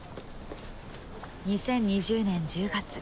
２０２０年１０月。